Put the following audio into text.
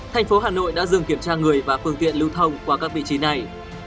thành phố hà nội đã dừng kiểm tra người và phương tiện lưu thông qua các vị trí này